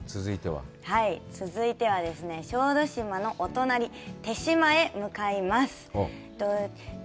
はい、続いてはですね、小豆島のお隣、豊島へ向かいます。